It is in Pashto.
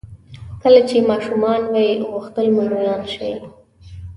کله چې ماشومان وئ غوښتل مو لویان شئ.